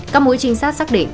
các mũi trinh sát xác định